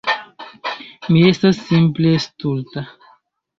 Mi estas simple stulta.